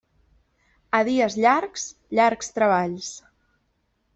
A dies llargs, llargs treballs.